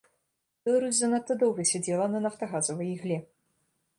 Беларусь занадта доўга сядзела на нафтагазавай ігле.